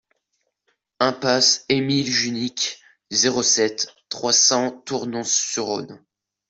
Impasse Émile Junique, zéro sept, trois cents Tournon-sur-Rhône